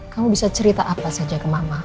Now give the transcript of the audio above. kamu bisa cerita apa saja ke mama